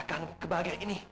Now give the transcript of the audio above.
saya akan kembali ini